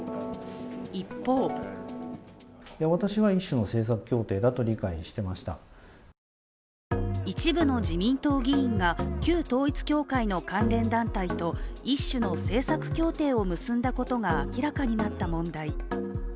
一方一部の自民党議員が、旧統一教会の関連団体と一種の政策協定を結んだことが明らかになった問題。